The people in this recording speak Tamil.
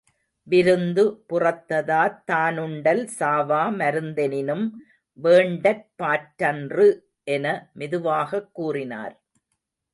விருந்து புறத்ததாத் தானுண்டல் சாவா மருந்தெனினும் வேண்டற் பாற்றன்று என மெதுவாகக் கூறினார்.